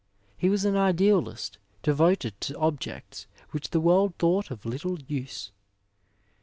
He was an idealist devoted to objects which the world thought of little use.''